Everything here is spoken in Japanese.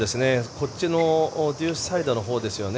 こっちのデュースサイドのほうですよね。